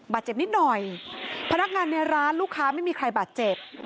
เจ็บนิดหน่อยพนักงานในร้านลูกค้าไม่มีใครบาดเจ็บ